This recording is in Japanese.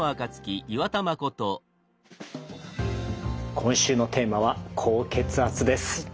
今週のテーマは高血圧です。